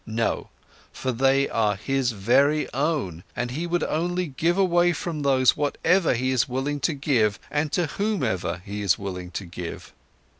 No, for they are his very own, and he would only give away from those whatever he is willing to give and to whomever he is willing to give.